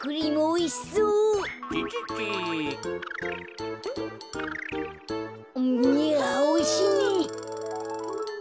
いやおいしいね。